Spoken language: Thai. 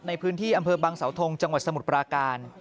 ในพื้นที่อำเภอบังเสาทงจังหวัดสมุทรปราการ